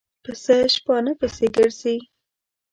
پسه شپانه پسې ګرځي.